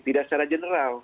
tidak secara general